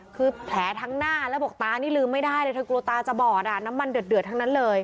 คือแผลทั้งหน้าแล้วบอกตานี่ลืมไม่ได้เลยเธอกลัวตาจะบอดอ่ะน้ำมันเดือดทั้งนั้นเลย